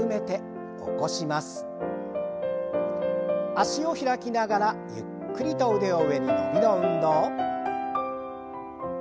脚を開きながらゆっくりと腕を上に伸びの運動。